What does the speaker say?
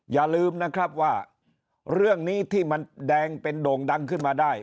อย่าลืมนะครับว่าเรื่องนี้ที่มันแดงเป็นโด่งดังขึ้นมาได้